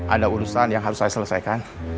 ada urusan yang harus saya selesaikan